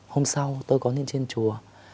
hôm sau tôi có lên trên chùa